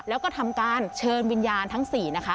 แล้วก็ทำการเชิญวิญญาณทั้ง๔นะคะ